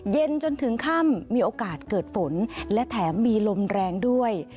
เย็นจนถึงค่ำมีโอกาสเกิดฝนและแถมมีลมแรงด้วย